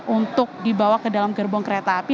untuk dibawa ke dalam gerbong kereta api